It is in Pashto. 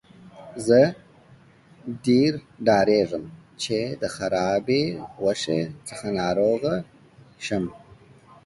زه ډیر ډاریږم چې د خرابې غوښې څخه ناروغه شم.